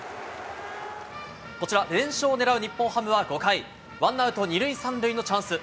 こちら連勝を狙う日本ハムは５回、１アウト２塁３塁のチャンス。